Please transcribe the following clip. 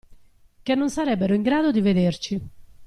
Che non sarebbero in grado di vederci.